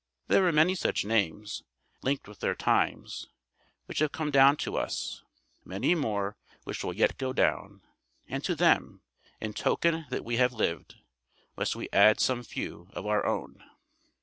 There are many such names, linked with their times, which have come down to us, many more which will yet go down; and to them, in token that we have lived, must we add some few of our own.